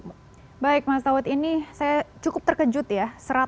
baik mas tauhid ini saya cukup terkejut ya